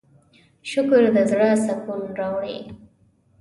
شکر د زړۀ سکون راوړي.